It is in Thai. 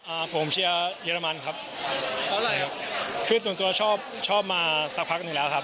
อ่าผมเชียร์เยอรมันครับเท่าไหร่ครับคือส่วนตัวชอบชอบมาสักพักหนึ่งแล้วครับ